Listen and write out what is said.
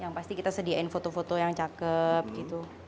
yang pasti kita sediain foto foto yang cakep gitu